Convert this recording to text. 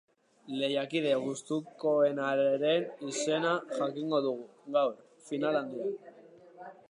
Lehiakide gustukoenaren izena jakingo dugu, gaur, final handian.